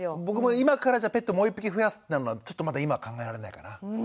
僕も今からじゃあペットもう一匹増やすってなるのはちょっとまだ今は考えられないかな。